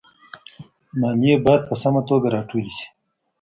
ماليې بايد په سمه توګه راټولي سي.